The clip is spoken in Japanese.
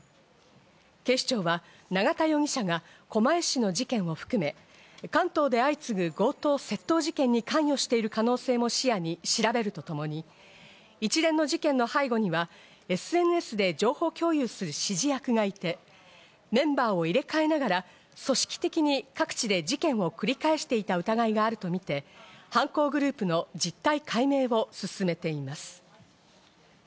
警視庁は、永田容疑者が狛江市の事件を含め、関東で相次ぐ強盗窃盗事件に関与している可能性も視野に調べるとともに一連の事件の背後には、ＳＮＳで情報共有する指示役がいて、メンバーを入れ替えながら組織的に各地で事件を繰り返していた疑いがあるとみて犯行グループの実態解明を進めています。